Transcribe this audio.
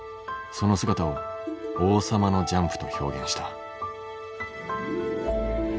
その姿を「王様のジャンプ」と表現した。